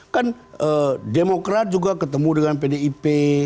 kan demokrat juga ketemu dengan pdip